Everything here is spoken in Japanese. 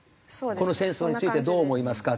「この戦争についてどう思いますか？」。